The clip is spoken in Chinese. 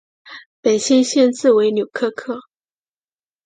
本县县治为纽柯克。